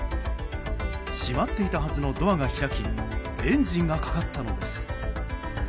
閉まっていたはずのドアが開きエンジンがかかったのです。